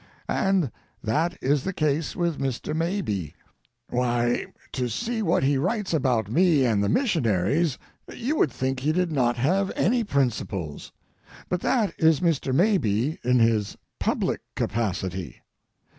And that is the case with Mr. Mabie. Why, to see what he writes about me and the missionaries you would think he did not have any principles. But that is Mr. Mabie in his public capacity.